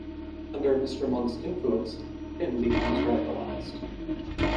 Under Mr Monk's influence, Finn becomes radicalised.